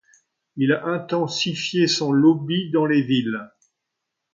Il a intensifié son lobby dans les villes.